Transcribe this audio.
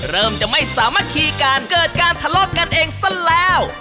เริ่มจะไม่สามารถคีการเกิดการทะเลาะกันเองซะแล้ว